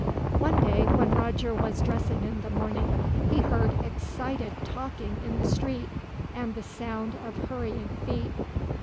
One day, when Roger was dressing in the morning, he heard excited talking in the street, and the sound of hurrying feet.